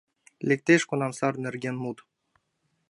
Лектеш кунам сар нерген мут